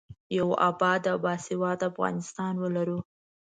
یو اباد او باسواده افغانستان ولرو.